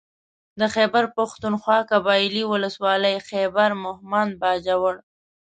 د خېبر پښتونخوا قبايلي ولسوالۍ خېبر مهمند باجوړ